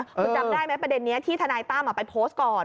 คุณจำได้ไหมประเด็นนี้ที่ทนายตั้มไปโพสต์ก่อน